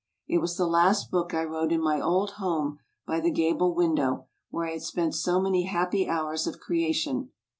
It was the last book I wrote in my old home by the gable window where I had spent so many happy hours of creation.